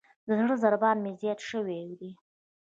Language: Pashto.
د زړه ضربان مې زیات شوئ دی.